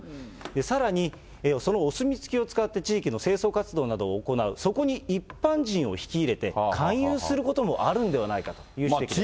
さらに、そのお墨付きを使って、地域の清掃活動などを行う、そこに一般人を引き入れて、勧誘することもあるんでないかという指摘です。